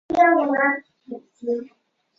短时间可能还可以